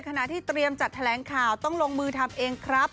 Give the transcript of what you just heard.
ขณะที่เตรียมจัดแถลงข่าวต้องลงมือทำเองครับ